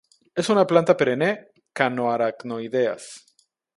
Es una planta perenne, cano-aracnoideas.